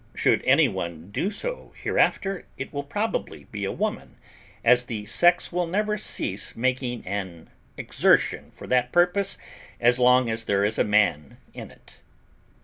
Should anyone do so hereafter, it will probably be a woman, as the sex will never cease making an exertion for that purpose as long as there is a man in it.